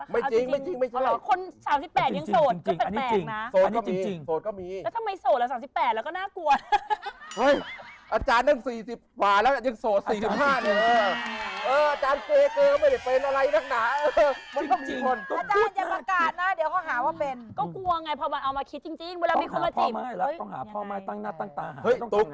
เป็นยังไห้ไม่ต้องหาพอมาตั้งหน้าต่าง